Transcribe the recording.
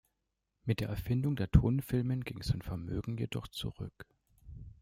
Mit der Erfindung der Tonfilmen ging sein Vermögen jedoch zurück.